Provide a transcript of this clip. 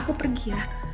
aku pergi ya